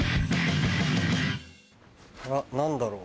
あら何だろう？